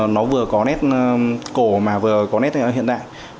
nó vừa có nét cổ mà vừa có nét hiện đại